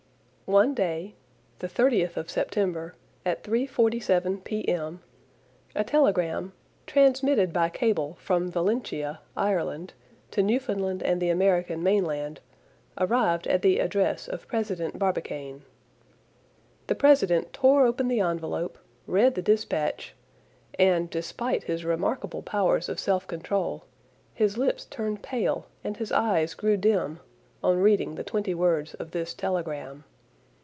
One day, the 30th of September, at 3:47 P.M., a telegram, transmitted by cable from Valentia (Ireland) to Newfoundland and the American Mainland, arrived at the address of President Barbicane. The president tore open the envelope, read the dispatch, and, despite his remarkable powers of self control, his lips turned pale and his eyes grew dim, on reading the twenty words of this telegram.